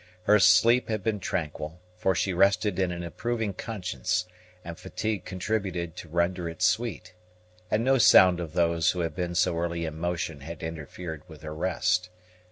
Her sleep had been tranquil, for she rested on an approving conscience, and fatigue contributed to render it sweet; and no sound of those who had been so early in motion had interfered with her rest.